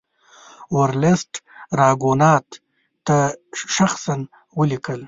ورلسټ راګونات ته شخصا ولیکل.